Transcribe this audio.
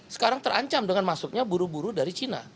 sekarang terancam dengan masuknya buru buru dari cina